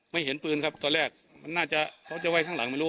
เห็นปืนครับตอนแรกมันน่าจะเขาจะไว้ข้างหลังไม่รู้